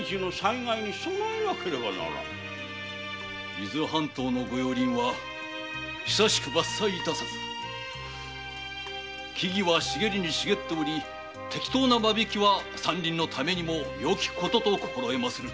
伊豆半島の御用林は久しく伐採致さず樹々は茂りに茂り適当な間引きは山林のためにもよきことと心得まする。